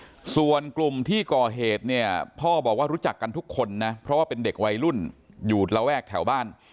ส่วนกลุ่มที่ก่อเหตุเนี่ยพ่อบอกว่ารู้จักกันทุกคนนะเพราะว่าเป็นเด็กวัยรุ่นอยู่ระแวกแถวบ้าน